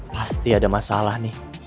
pasti ada masalah nih